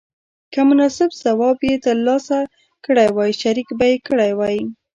که مناسب ځواب یې تر لاسه کړی وای شریک به یې کړی وای.